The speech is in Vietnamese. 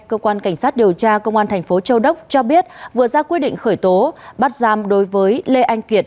cơ quan cảnh sát điều tra công an thành phố châu đốc cho biết vừa ra quyết định khởi tố bắt giam đối với lê anh kiệt